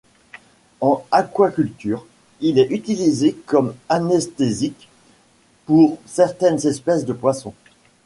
En aquaculture, il est utilisé comme anesthésique pour certaines espèces de poissons.